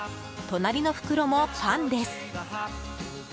隣の袋もパンです。